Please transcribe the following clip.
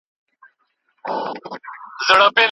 د قرآن مانا زده کړئ.